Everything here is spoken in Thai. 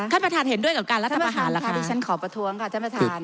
ท่านประธานเห็นด้วยกับการรัฐประหารเหรอคะที่ฉันขอประท้วงค่ะท่านประธาน